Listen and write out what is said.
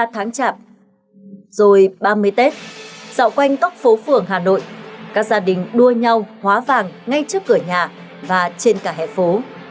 hai mươi ba tháng chạp rồi ba mươi tết dạo quanh tóc phố phường hà nội các gia đình đua nhau hóa vàng ngay trước cửa nhà và trên cả hẻ phố